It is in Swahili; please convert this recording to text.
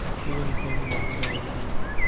Hivyo ni sehemu ya Umoja wa Ulaya.